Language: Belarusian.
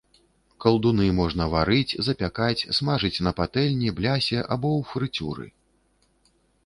Калдуны можна варыць, запякаць, смажыць на патэльні, блясе або ў фрыцюры.